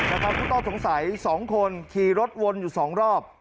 และกับผู้ต้องสงสัย๒คนขี่รถวนอยู่๒รอบ